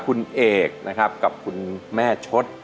คุณเอกนะครับกับคุณแม่ชด